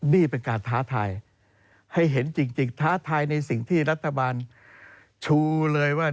นี่เป็นการท้าทายให้เห็นจริงท้าทายในสิ่งที่รัฐบาลชูเลยว่า